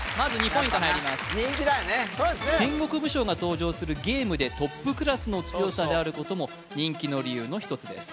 そうですね戦国武将が登場するゲームでトップクラスの強さであることも人気の理由の１つです